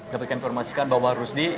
dapatkan informasikan bahwa harus di